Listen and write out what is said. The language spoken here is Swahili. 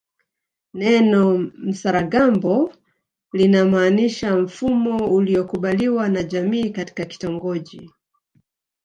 Neno msaragambo linamaanisha mfumo uliokubaliwa na jamii katika kitongoji